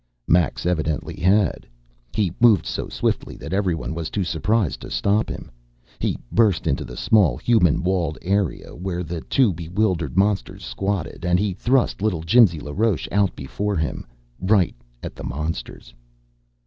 Max evidently had. He moved so swiftly that everyone was too surprised to stop him. He burst into the small human walled arena where the two bewildered monsters squatted and he thrust little Jimsy LaRoche out before him right at the monsters.